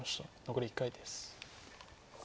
残り１回です。